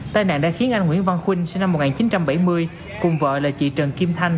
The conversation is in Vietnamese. tai nạn đã khiến anh nguyễn văn khuynh sinh năm một nghìn chín trăm bảy mươi cùng vợ là chị trần kim thanh